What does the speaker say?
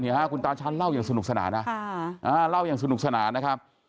คุณตาชั้นเล่าอย่างสนุกสนานนะเล่าอย่างสนุกสนานนะครับ